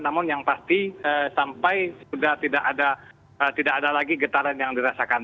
namun yang pasti sampai sudah tidak ada lagi getaran yang dirasakan